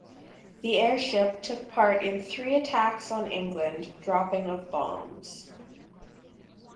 The airship took part in three attacks on England dropping of bombs.